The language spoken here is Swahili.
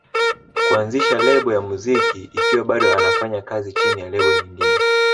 kuanzisha lebo ya muziki ikiwa bado anafanya kazi chini ya lebo nyingine